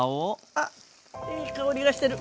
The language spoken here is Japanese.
あっいい香りがしてる。